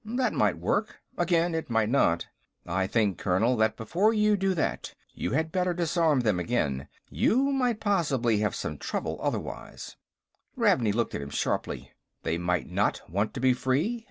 "That might work. Again, it might not." "I think, Colonel, that before you do that, you had better disarm them again. You might possibly have some trouble, otherwise." Ravney looked at him sharply. "They might not want to be free?